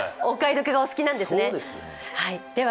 お買い得がお好きなんですね。